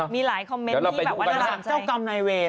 มีหลายคอมเม้นท์ที่แบบว่าจะสั่งเจ้ากรรมในเวร